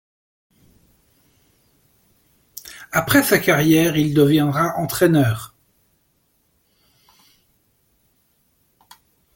Après sa carrière, il deviendra entraineur.